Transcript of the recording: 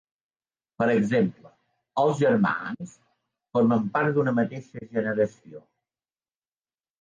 Per exemple: els germans formen part d'una mateixa generació.